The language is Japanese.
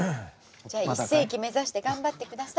じゃあ１世紀目指して頑張って下さい。